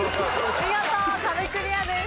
見事壁クリアです。